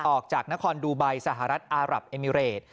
ออกจากนครดูไบสหรัฐอารับเอมิเรต